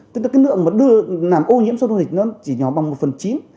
tức là cái lượng mà làm ô nhiễm sông thu thịch nó chỉ nhỏ bằng một phần chín